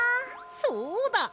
そうだ！